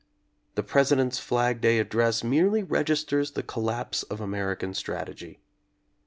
The President's Flag Day Address merely registers the collapse of American strategy.